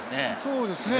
そうですね。